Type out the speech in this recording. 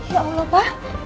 ya allah pa